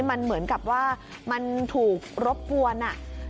มันเหมือนกับว่ามันถูกรบกวน